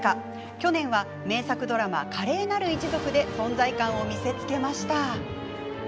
去年は名作ドラマ「華麗なる一族」で存在感を見せつけました。